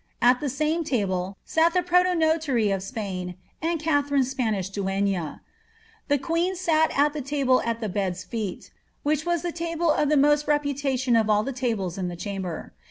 At the same table sat the protonotary of Spain and Katharine's Spanish duenna. The queen at at the table at the bed's feet, ^ which was the table of the most repu titioa of all the tables in the chamber."